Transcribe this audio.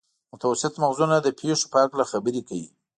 متوسط مغزونه د پېښو په هکله خبرې کوي.